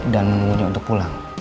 dan menunggunya untuk pulang